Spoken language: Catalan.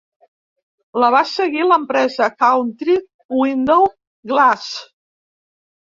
La va seguir l'empresa County Window Glass.